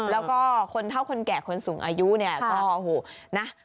แล้วก็คนเท่าคนแก่คนสูงอายุเนี่ยก็โอ้โหนะ